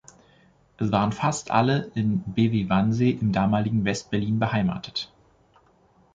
Sie waren fast alle im Bw Wannsee im damaligen West-Berlin beheimatet.